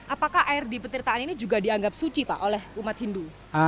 apakah air di petirtaan ini juga dianggap suci pak oleh umat hindu